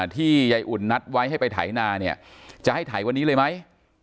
ที่ยายอุ่นนัดไว้ให้ไปไถนาเนี่ยจะให้ถ่ายวันนี้เลยไหม